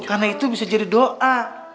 karena itu bisa jadi doa